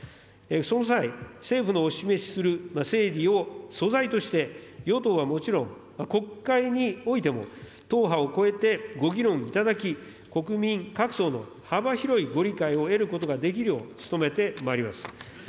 その際、政府のお示しする整理を素材として、与党はもちろん、国会においても党派を超えてご議論いただき、国民各層の幅広いご理解を得ることができるよう努めてまいります。